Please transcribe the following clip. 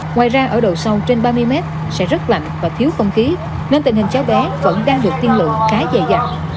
ngoài ra ở độ sâu trên ba mươi mét sẽ rất lạnh và thiếu không khí nên tình hình cháu bé vẫn đang được tiên lượng khá dài dặt